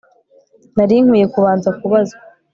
Nari nkwiye kubanza kubazwa